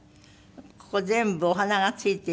ここ全部お花が付いています。